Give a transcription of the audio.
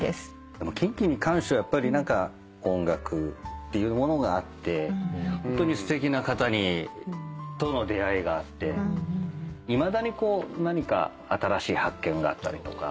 キンキに関してはやっぱり音楽っていうものがあってホントにすてきな方との出会いがあっていまだに何か新しい発見があったりとか。